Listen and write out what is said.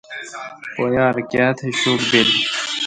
پو یار کیاتہ شوٹ بیل۔